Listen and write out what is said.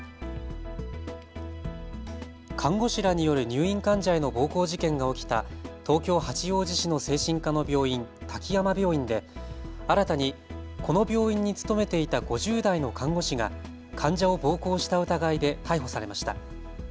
看護師らによる入院患者への暴行事件が起きた東京八王子市の精神科の病院、滝山病院で新たにこの病院に勤めていた５０代の看護師が患者を暴行した疑いで逮捕されました。